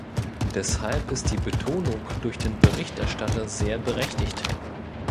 Deshalb ist die Betonung durch den Berichterstatter sehr berechtigt.